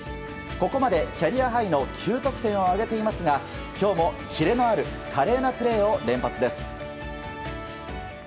ここまでキャリアハイの９得点を挙げていますが今日もキレのある華麗なプレーを連発です。